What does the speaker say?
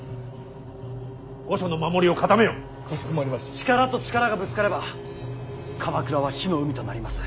力と力がぶつかれば鎌倉は火の海となります。